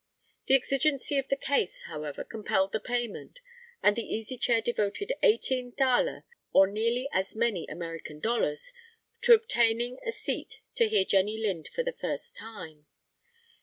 The exigency of the case, however, compelled the payment, and the Easy Chair devoted eighteen thaler, or nearly as many American dollars, to obtaining a seat to hear Jenny Lind for the first time.